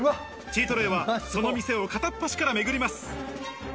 チートデイはその店を片っ端からめぐります。